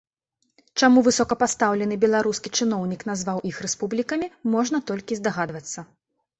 Чаму высокапастаўлены беларускі чыноўнік назваў іх рэспублікамі, можна толькі здагадвацца.